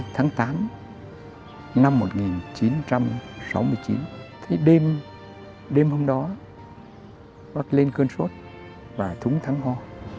tháng tám năm một nghìn chín trăm sáu mươi chín đêm hôm đó bác lên cơn suốt và thúng thắng ho